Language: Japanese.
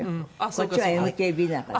こっちは「ＭＫＢ」だから。